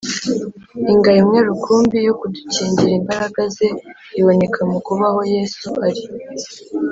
ingabo imwe rukumbi yo kudukingira imbaraga ze iboneka mu kuba aho yesu ari